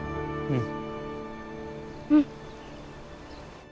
うん。